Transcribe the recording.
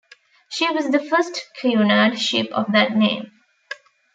She was the first Cunard ship of that name.